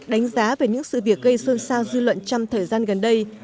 đánh giá về những sự việc gây xuân sao dư luận trăm thời gian gần đây